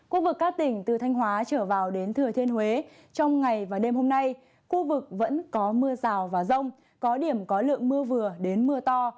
khu vực các tỉnh từ thanh hóa trở vào đến thừa thiên huế trong ngày và đêm hôm nay khu vực vẫn có mưa rào và rông có điểm có lượng mưa vừa đến mưa to